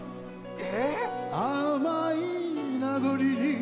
え？